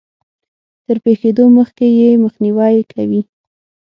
تر پېښېدو مخکې يې مخنيوی کوي.